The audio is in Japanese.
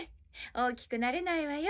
大きくなれないわよ。